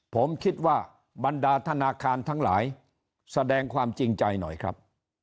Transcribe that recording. ผมคิดว่าบรรดาธนาคารทั้งหลายแสดงความจริงใจหน่อยครับ